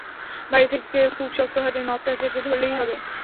বাইরে থেকে কেউ খুব শক্ত হাতে নবটা চেপে ধরলেই হবে।